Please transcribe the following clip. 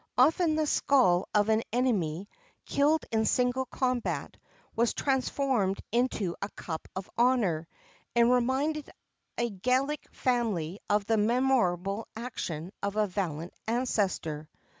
[XXVII 18] Often the skull of an enemy, killed in single combat, was transformed into a cup of honour, and reminded a Gallic family of the memorable action of a valiant ancestor.